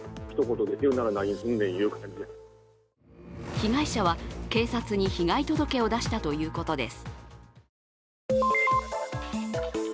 被害者は警察に被害届を出したということです。